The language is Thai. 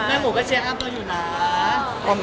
แม่หมูก็เชียร์กับเราอยู่นะ